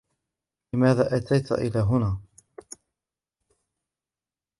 لمذا أتيت إلى هنا ؟